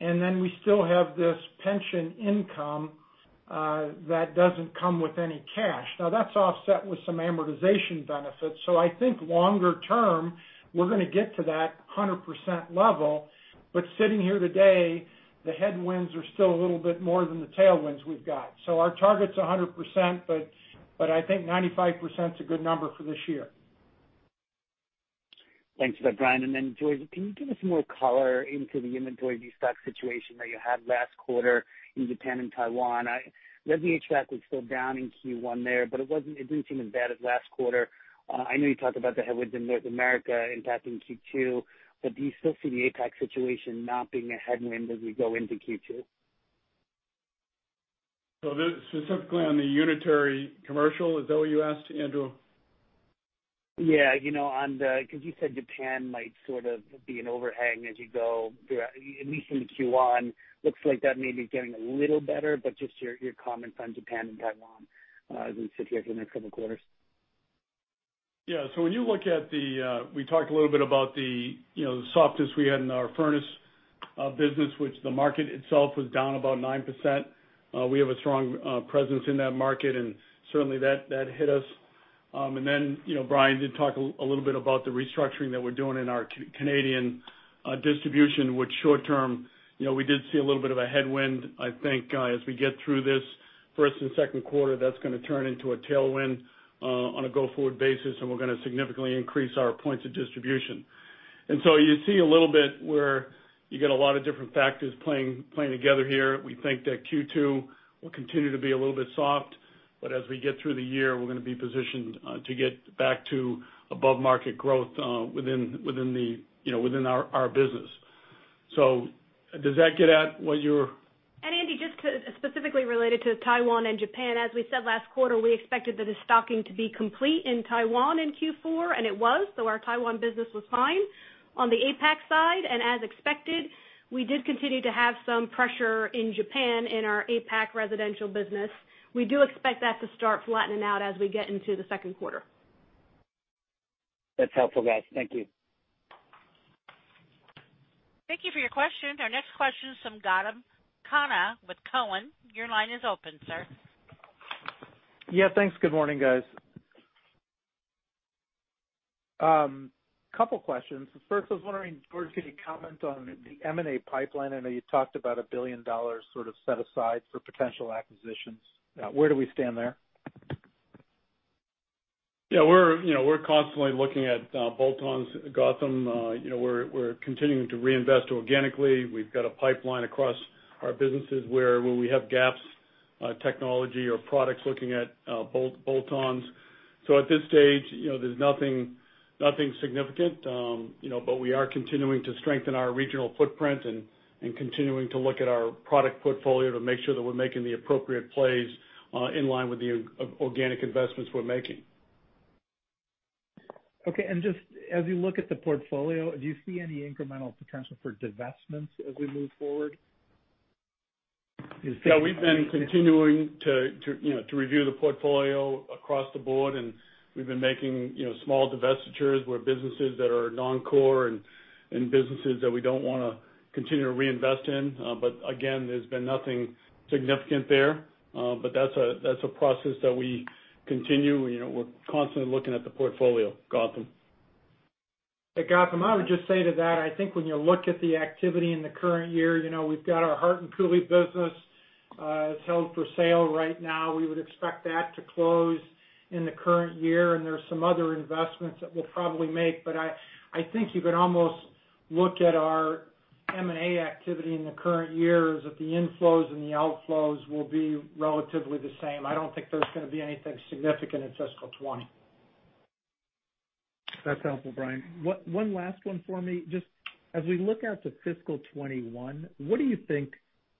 we still have this pension income that doesn't come with any cash. That's offset with some amortization benefits. I think longer term, we're going to get to that 100% level. Sitting here today, the headwinds are still a little bit more than the tailwinds we've got. Our target's 100%, but I think 95% is a good number for this year. Thanks for that, Brian. Then, George, can you give us more color into the inventory de-stock situation that you had last quarter in Japan and Taiwan? Resi HVAC was still down in Q1 there, but it didn't seem as bad as last quarter. I know you talked about the headwinds in North America impacting Q2, do you still see the APAC situation not being a headwind as we go into Q2? Specifically on the unitary commercial, is that what you asked, Andrew? Yeah. Because you said Japan might sort of be an overhang as you go through at least into Q1. Looks like that may be getting a little better, but just your comments on Japan and Taiwan as we sit here for the next couple of quarters. Yeah. We talked a little bit about the softness we had in our furnace business, which the market itself was down about 9%. Certainly that hit us. Brian did talk a little bit about the restructuring that we're doing in our Canadian distribution, which short-term, we did see a little bit of a headwind. I think as we get through this first and second quarter, that's going to turn into a tailwind on a go-forward basis. We're going to significantly increase our points of distribution. You see a little bit where you get a lot of different factors playing together here. We think that Q2 will continue to be a little bit soft, as we get through the year, we're going to be positioned to get back to above-market growth within our business. Does that get at what? Andrew Kaplowitz, just specifically related to Taiwan and Japan, as we said last quarter, we expected the de-stocking to be complete in Taiwan in Q4, and it was. Our Taiwan business was fine. On the APAC side, and as expected, we did continue to have some pressure in Japan in our APAC residential business. We do expect that to start flattening out as we get into the second quarter. That's helpful, guys. Thank you. Thank you for your question. Our next question is from Gautam Khanna with Cowen. Your line is open, sir. Yeah, thanks. Good morning, guys. A couple questions. First, I was wondering if you could comment on the M&A pipeline. I know you talked about $1 billion sort of set aside for potential acquisitions. Where do we stand there? Yeah. We're constantly looking at bolt-ons, Gautam. We're continuing to reinvest organically. We've got a pipeline across our businesses where we have gaps, technology or products, looking at bolt-ons. At this stage, there's nothing significant. We are continuing to strengthen our regional footprint and continuing to look at our product portfolio to make sure that we're making the appropriate plays in line with the organic investments we're making. Okay. Just as you look at the portfolio, do you see any incremental potential for divestments as we move forward? Yeah, we've been continuing to review the portfolio across the board, and we've been making small divestitures where businesses that are non-core and businesses that we don't want to continue to reinvest in. Again, there's been nothing significant there. That's a process that we continue. We're constantly looking at the portfolio, Gautam. Hey, Gautam, I would just say to that, I think when you look at the activity in the current year, we've got our Hart & Cooley business is held for sale right now. We would expect that to close in the current year, there's some other investments that we'll probably make. I think you can almost look at our M&A activity in the current year as if the inflows and the outflows will be relatively the same. I don't think there's going to be anything significant in fiscal 2020. That's helpful, Brian. One last one for me. Just as we look out to fiscal 2021, what do you think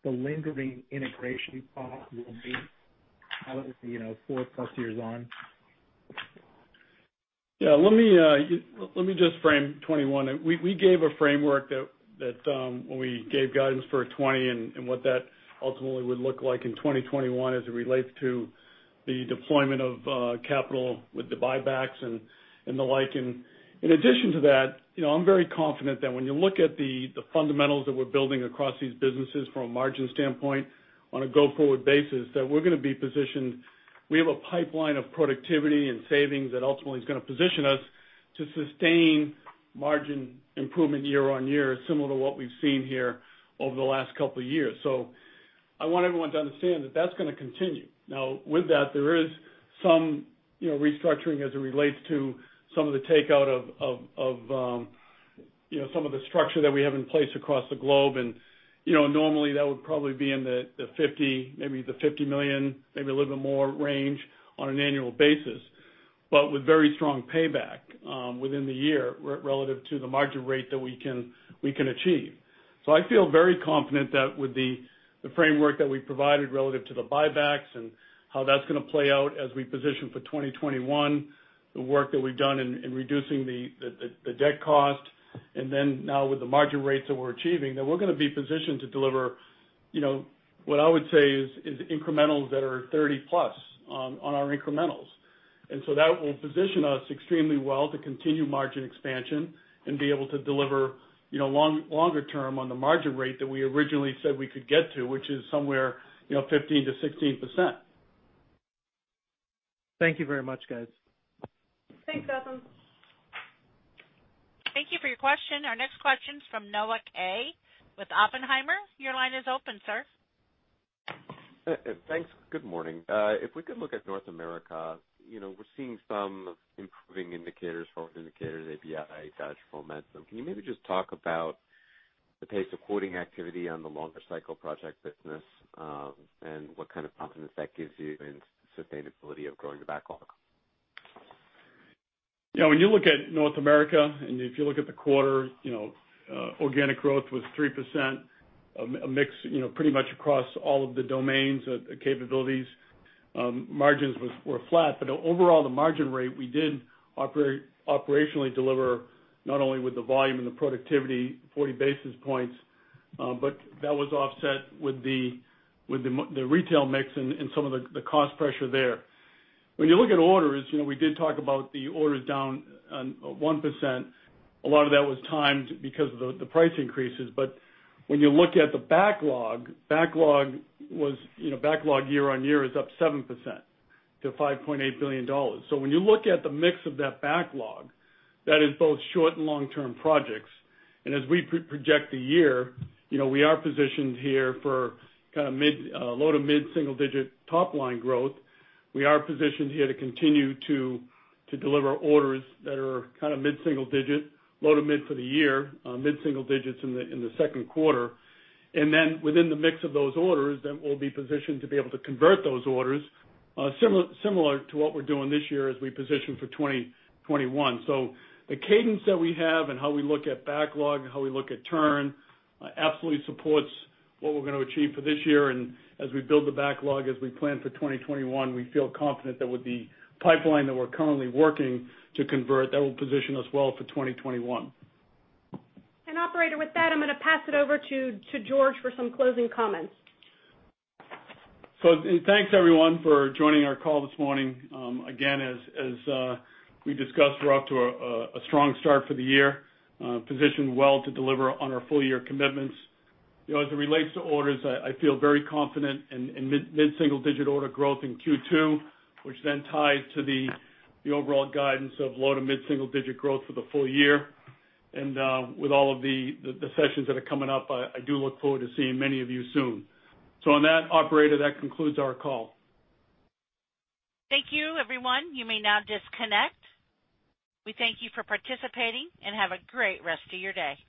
the lingering integration cost will be now that it's four plus years on? Yeah. Let me just frame 2021. We gave a framework when we gave guidance for 2020 and what that ultimately would look like in 2021 as it relates to the deployment of capital with the buybacks and the like. In addition to that, I'm very confident that when you look at the fundamentals that we're building across these businesses from a margin standpoint on a go-forward basis, that we're going to be positioned. We have a pipeline of productivity and savings that ultimately is going to position us to sustain margin improvement year-over-year, similar to what we've seen here over the last couple of years. I want everyone to understand that that's going to continue. Now, with that, there is some restructuring as it relates to some of the takeout of some of the structure that we have in place across the globe. Normally, that would probably be in the $50 million, maybe a little bit more range on an annual basis, but with very strong payback within the year relative to the margin rate that we can achieve. I feel very confident that with the framework that we provided relative to the buybacks and how that's going to play out as we position for 2021, the work that we've done in reducing the debt cost, and then now with the margin rates that we're achieving, that we're going to be positioned to deliver what I would say is incrementals that are 30+ on our incrementals. That will position us extremely well to continue margin expansion and be able to deliver longer term on the margin rate that we originally said we could get to, which is somewhere 15%-16%. Thank you very much, guys. Thanks, Evan. Thank you for your question. Our next question's from Noah Kaye with Oppenheimer. Your line is open, sir. Thanks. Good morning. If we could look at North America, we're seeing some improving indicators, forward indicators, ABI, Dodge Momentum. Can you maybe just talk about the pace of quoting activity on the longer cycle project business, and what kind of confidence that gives you in sustainability of growing the backlog? Yeah, when you look at North America, if you look at the quarter, organic growth was 3%, a mix pretty much across all of the domains, the capabilities. Margins were flat, overall, the margin rate we did operationally deliver not only with the volume and the productivity, 40 basis points, but that was offset with the retail mix and some of the cost pressure there. When you look at orders, we did talk about the orders down 1%. A lot of that was timed because of the price increases. When you look at the backlog year-over-year is up 7% to $5.8 billion. When you look at the mix of that backlog, that is both short and long-term projects. As we project the year, we are positioned here for low- to mid-single-digit top-line growth. We are positioned here to continue to deliver orders that are mid-single digit, low to mid for the year, mid-single digits in the second quarter. Within the mix of those orders, then we'll be positioned to be able to convert those orders, similar to what we're doing this year as we position for 2021. The cadence that we have and how we look at backlog and how we look at turn absolutely supports what we're going to achieve for this year. As we build the backlog, as we plan for 2021, we feel confident that with the pipeline that we're currently working to convert, that will position us well for 2021. Operator, with that, I'm going to pass it over to George for some closing comments. Thanks, everyone, for joining our call this morning. Again, as we discussed, we're off to a strong start for the year, positioned well to deliver on our full-year commitments. As it relates to orders, I feel very confident in mid-single-digit order growth in Q2, which then ties to the overall guidance of low- to mid-single-digit growth for the full year. With all of the sessions that are coming up, I do look forward to seeing many of you soon. On that, operator, that concludes our call. Thank you, everyone. You may now disconnect. We thank you for participating, and have a great rest of your day.